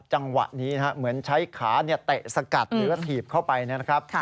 จังหวะนี้เหมือนใช้ขาเนี่ยเตะสะกัดหรือทีบเข้าไปเนี่ยนะครับ